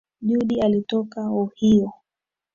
Judy alitoka Ohio.